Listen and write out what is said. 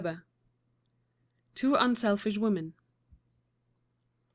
LXXXI. TWO UNSELFISH WOMEN.